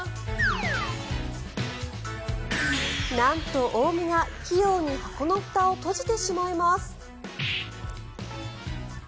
なんとオウムが器用に箱のふたを閉じてしまいます。